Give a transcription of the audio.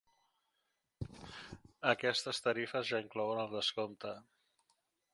Aquestes tarifes ja inclouen el descompte.